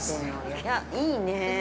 いや、いいねー。